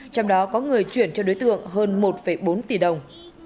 trong đó có người chuyển cho đối tượng hơn một bốn tỷ đồng